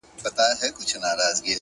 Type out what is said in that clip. هره ورځ د نوې هیلې کړکۍ ده